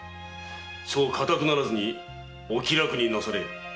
そう固くならずお気楽になされよ。